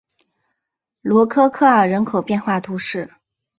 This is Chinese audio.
罗科科尔人口变化图示